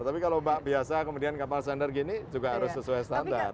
tapi kalau mbak biasa kemudian kapal standar gini juga harus sesuai standar